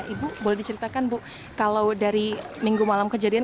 ibu boleh diceritakan bu kalau dari minggu malam kejadian